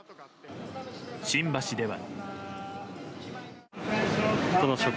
新橋では。